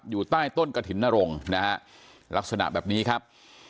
อยู่ใต้ต้นกระถิ่นนรงนะฮะลักษณะแบบนี้ครับ